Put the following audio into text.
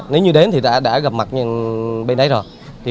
nếu như đến thì đã gặp mặt bên đấy rồi